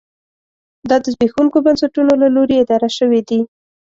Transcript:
دا د زبېښونکو بنسټونو له لوري اداره شوې دي.